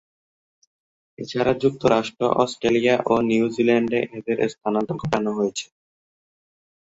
এছাড়া যুক্তরাষ্ট্র, অস্ট্রেলিয়া ও নিউজিল্যান্ডে এদের স্থানান্তর ঘটানো হয়েছে।